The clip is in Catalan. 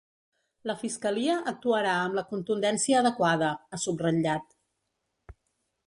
La fiscalia actuarà amb la contundència adequada, ha subratllat.